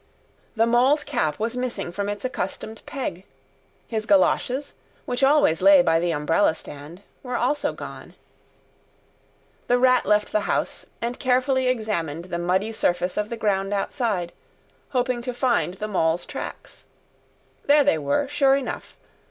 The Mole's cap was missing from its accustomed peg. His goloshes, which always lay by the umbrella stand, were also gone. The Rat left the house, and carefully examined the muddy surface of the ground outside, hoping to find the Mole's tracks. There they were, sure enough.